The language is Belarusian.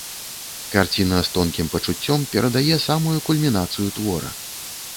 Карціна з тонкім пачуццём перадае самую кульмінацыю твора.